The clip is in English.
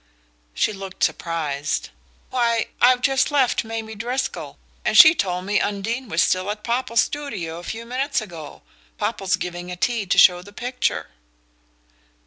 She looked surprised. "Why, I've just left Mamie Driscoll, and she told me Undine was still at Popple's studio a few minutes ago: Popple's giving a tea to show the picture."